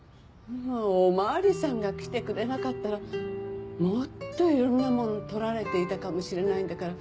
お巡りさんが来てくれなかったらもっといろんなもの取られていたかもしれないんだから